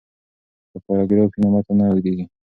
که پاراګراف وي نو متن نه اوږدیږي.